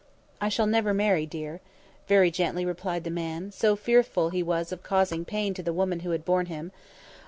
"I shall never marry, dear," very gently replied the man, so fearful was he of causing pain to the woman who had borne him.